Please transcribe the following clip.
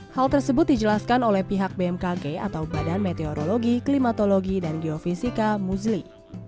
hal tersebut dijelaskan oleh pihak bmkg atau badan meteorologi klimatologi dan geofisika muzli